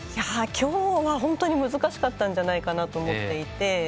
今日は本当に難しかったんじゃないかと思っていて。